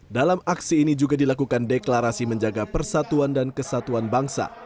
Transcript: dalam aksi ini juga dilakukan deklarasi menjaga persatuan dan kesatuan bangsa